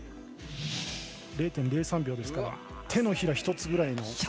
０．０３秒ですから手のひら１つぐらいの。